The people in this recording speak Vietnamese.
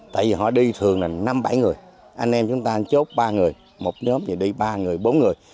tại vì họ đi thường là năm bảy người anh em chúng ta chốt ba người một nhóm gì đi ba người bốn người